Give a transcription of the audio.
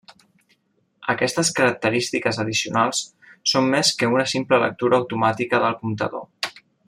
Aquestes característiques addicionals són més que una simple lectura automàtica del comptador.